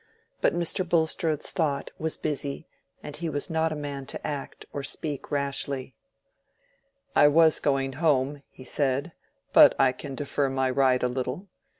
But Mr. Bulstrode's thought was busy, and he was not a man to act or speak rashly. "I was going home," he said, "but I can defer my ride a little.